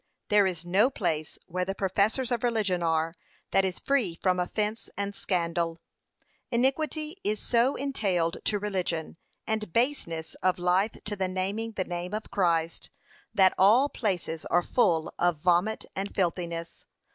There is no place where the professors of religion are, that is free from offence and scandal. Iniquity is so entailed to religion, and baseness of life to the naming the name of Christ, that 'All places are full of vomit and filthiness.'